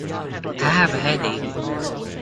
I have a headache.